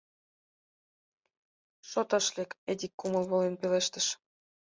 — Шот ыш лек, — Эдик кумыл волен пелештыш.